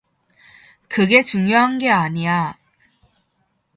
그게 중요한 게 아니야.